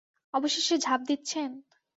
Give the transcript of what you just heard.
অবশেষে ঝাঁপ দিচ্ছেন?